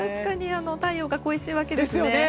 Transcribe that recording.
太陽が恋しいわけですね。